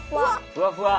ふわふわ。